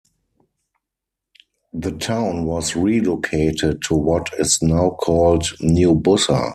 The town was re-located to what is now called New Bussa.